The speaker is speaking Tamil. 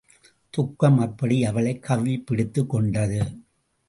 துக்கம் அப்படி அவளைக் கவ்விப் பிடித்துக் கொண்டது.